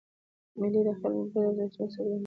مېلې د خلکو ګډ ارزښتونه څرګندوي.